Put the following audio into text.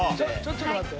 ちょっと待って。